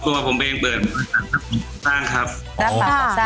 ตัวผมเปลี่ยนเปิดการสร้างของกอซ่าครับ